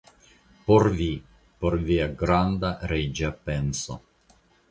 Por vi; por via granda reĝa penso!